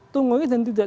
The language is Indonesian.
tungguin dan tidak